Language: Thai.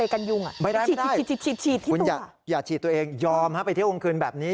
คุณอย่าฉีดตัวเองยอมไปเที่ยวกลางคืนแบบนี้